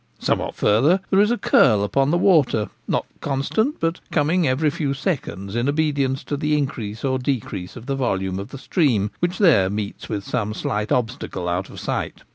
Somewhat farther there is a curl upon the water, not constant, but coming every few seconds in obedience to the increase or decrease of the volume of the stream, which there meets with some slight obstacle out of sight.